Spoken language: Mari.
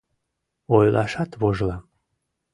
— Ойлашат вожылам...